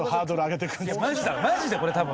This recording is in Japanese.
マジでこれ多分。